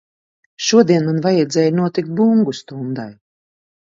Šodien man vajadzēja notikt bungu stundai.